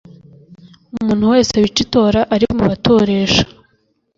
Umuntu wese wica itora ari mu batoresha